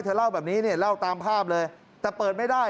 เล่าแบบนี้เนี่ยเล่าตามภาพเลยแต่เปิดไม่ได้